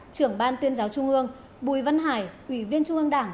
trưởng ban tuyên giáo trung ương bùi văn hải ủy viên trung ương đảng